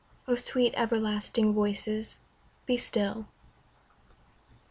O sweet everlasting Voices be still.